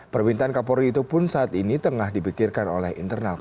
permintaan kapolri itu pun saat ini tengah dipikirkan oleh internal kpk